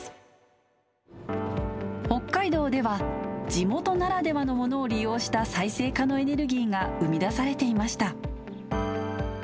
北海道では地元ならではのものを利用した再生可能エネルギーが生み出されていました